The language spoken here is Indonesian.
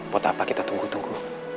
buat apa kita tunggu tunggu